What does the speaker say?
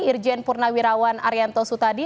irjen purnawirawan arianto sutadi